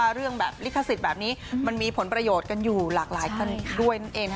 เรื่องแบบลิขสิทธิ์แบบนี้มันมีผลประโยชน์กันอยู่หลากหลายด้วยนั่นเอง